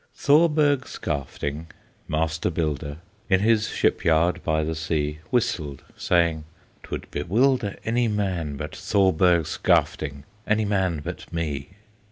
Thorberg Skafting, master builder, In his ship yard by the sea, Whistled, saying, "'Twould bewilder Any man but Thorberg Skafting, Any man but me!"